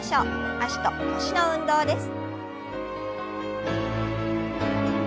脚と腰の運動です。